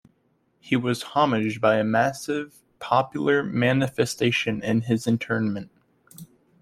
He was homaged by a massive popular manifestation in his interment.